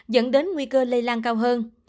dẫn đến nguy cơ lây lan cao hơn